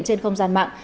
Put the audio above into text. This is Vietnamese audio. trên không gian mạng